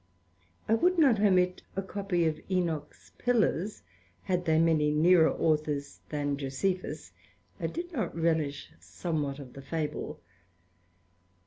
I would not omit a Copy of Enoch's Pillars, had they many nearer Authors than Josephus, or did not relish somewhat of the Fable.